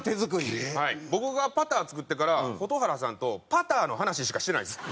僕がパター作ってから蛍原さんとパターの話しかしてないです。